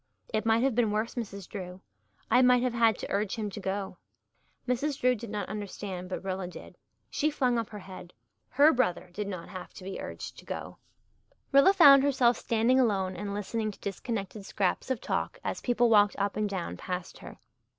"It might have been worse, Mrs. Drew. I might have had to urge him to go." Mrs. Drew did not understand but Rilla did. She flung up her head. Her brother did not have to be urged to go. Rilla found herself standing alone and listening to disconnected scraps of talk as people walked up and down past her.